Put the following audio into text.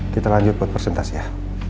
kita lanjut buat persentase ya